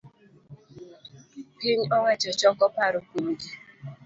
piny owacho choko paro kuom ji